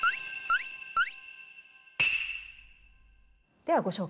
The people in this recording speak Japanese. ではご紹介